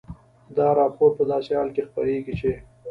دا راپور په داسې حال کې خپرېږي چې